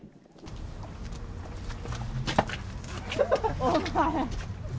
お前！